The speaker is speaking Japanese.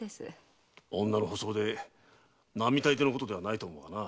女の細腕で並大抵のことではないと思うがな。